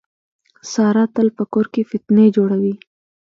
ساره تل په کور کې فتنې جوړوي.